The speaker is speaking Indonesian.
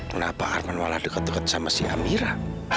kenapa arman malah deket deket sama si amira